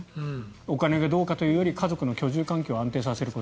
お金がどうかというより家族の居住環境を安定させること。